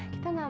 kita nggak mau